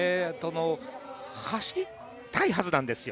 走りたいはずなんですよ。